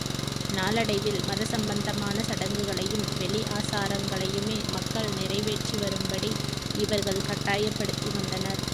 நாளடைவில் மத சம்பந்தமான சடங்குகளையும், வெளி ஆசாரங்களையுமே மக்கள் நிறைவேற்றி வரும்படி இவர்கள் கட்டாயப்படுத்தி வந்தனர்.